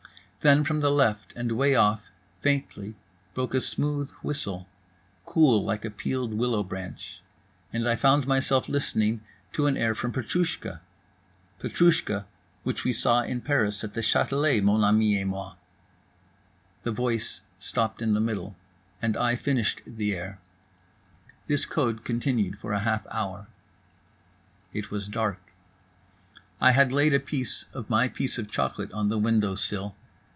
Then from the left and way off, faintly, broke a smooth whistle, cool like a peeled willow branch, and I found myself listening to an air from Petroushka, Petroushka, which we saw in Paris at the Châtelet, mon ami et moi…. The voice stopped in the middle—and I finished the air. This code continued for a half hour. It was dark. I had laid a piece of my piece of chocolate on the window sill.